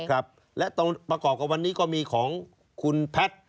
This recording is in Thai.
ครับและตรงประกอบกับวันนี้ก็มีของคุณแพทย์